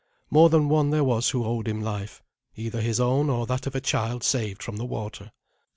More than one there was who owed him life either his own, or that of a child saved from the water.